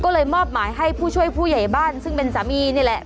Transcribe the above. ก็เลยมอบหมายให้ผู้ช่วยผู้ใหญ่บ้านซึ่งเป็นสามีนี่แหละ